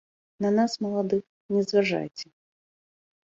На нас, маладых, не зважайце.